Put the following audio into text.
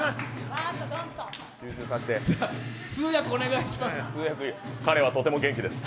通訳お願いします。